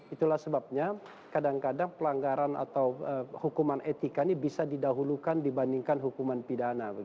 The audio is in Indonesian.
itulah sebabnya kadang kadang pelanggaran atau hukuman etika ini bisa didahulukan dibandingkan hukuman pidana